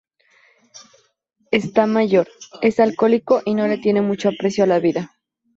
Está mayor, es alcohólico y no le tiene mucho aprecio a la vida.